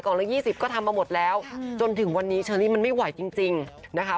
ละยี่สิบก็ทำมาหมดแล้วจนถึงวันนี้เชอรี่มันไม่ไหวจริงนะคะ